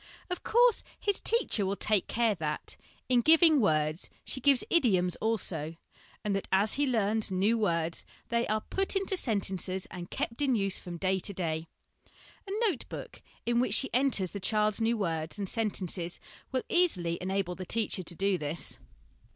Of course, his teacher will take care that, in giving words, she gives idioms also, and that as he learns new words, they are put into sentences and kept in use from day to day. A note book in which she enters the child's new words and sentences will easily enable the teacher to do this.